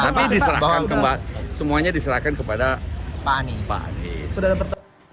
aspirasi tapi diserahkan semuanya diserahkan kepada pak anies